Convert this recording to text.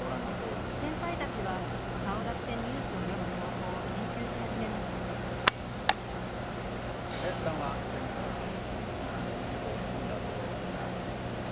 先輩たちは顔出しでニュースを読む方法を研究し始めました林さんは戦後１匹猫を飼ったところえ。